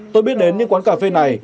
tôi biết đến những quán cà phê này